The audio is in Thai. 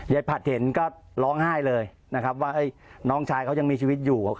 ผัดเห็นก็ร้องไห้เลยนะครับว่าน้องชายเขายังมีชีวิตอยู่